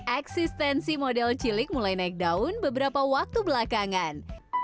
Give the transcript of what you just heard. eksistensi model cilik mulai naik daun beberapa waktu belakangan